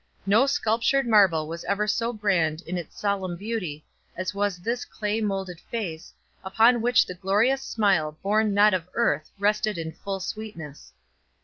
No sculptured marble was ever so grand in its solemn beauty as was this clay molded face, upon which the glorious smile born not of earth rested in full sweetness.